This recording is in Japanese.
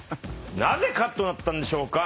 なぜカットだったんでしょうか？